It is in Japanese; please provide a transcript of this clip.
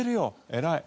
偉い。